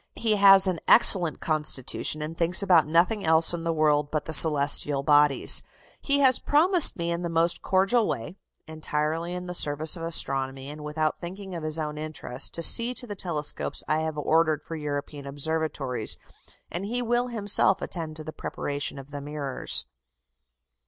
He has an excellent constitution, and thinks about nothing else in the world but the celestial bodies. He has promised me in the most cordial way, entirely in the service of astronomy, and without thinking of his own interest, to see to the telescopes I have ordered for European observatories, and he will himself attend to the preparation of the mirrors."